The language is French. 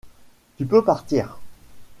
Tu peux partir.